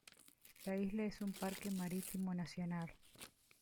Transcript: La isla es un parque marítimo nacional.